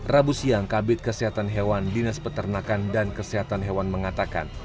rabu siang kabit kesehatan hewan dinas peternakan dan kesehatan hewan mengatakan